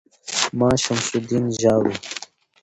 ـ ما شمس الدين ژاړو